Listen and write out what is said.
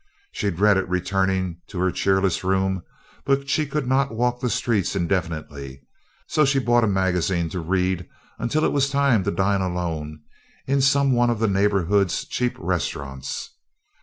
She dreaded returning to her cheerless room, but she could not walk the streets indefinitely, so she bought a magazine to read until it was time to dine alone in some one of the neighborhood's cheap restaurants.